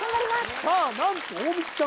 さあなんと大道ちゃん